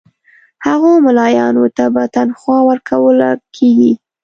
هغو مُلایانو ته به تنخوا ورکوله کیږي.